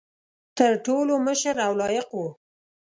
تر ټولو مشر او لایق وو.